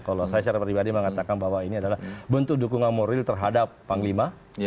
kalau saya secara pribadi mengatakan bahwa ini adalah bentuk dukungan moral terhadap panglima